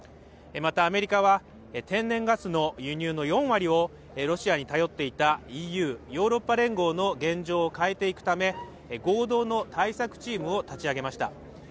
また、アメリカは天然ガスの輸入の４割をロシアに頼っていたＥＵ＝ヨーロッパ連合の現状を変えていくため、合同の対策チームを立ち上げました。